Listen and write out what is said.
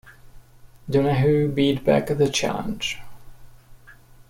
Donohue beat back the challenge.